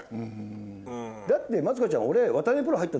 だってマツコちゃん俺。